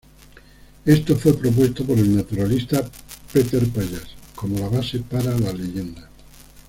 Esto fue propuesto por el naturalista Peter Pallas como la base para la leyenda.